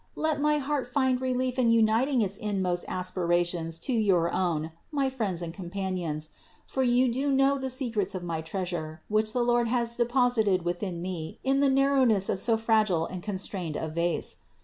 let my heart find relief in uniting its inmost aspirations to your own, my friends and com panions; for you do know the secrets of my Treasure, which the Lord has deposited within me in the narrow ness of so fragile and constrained a vase.